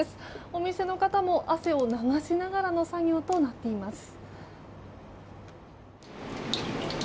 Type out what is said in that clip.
お店の方も汗を流しながらの作業となっています。